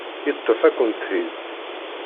Yeṭṭef-akent-t-id.